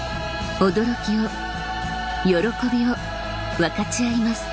驚きを喜びを分かち合います